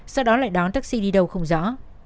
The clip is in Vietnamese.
sau đó lại đón taxi đi đâu không rõ